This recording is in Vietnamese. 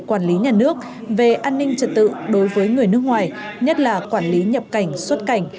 quản lý nhà nước về an ninh trật tự đối với người nước ngoài nhất là quản lý nhập cảnh xuất cảnh